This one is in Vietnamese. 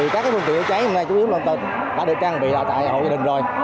các phương tiện cháy hôm nay chủ yếu là đã được trang bị tại hội gia đình rồi